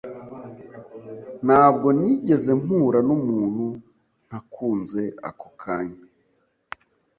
Ntabwo nigeze mpura numuntu ntakunze ako kanya.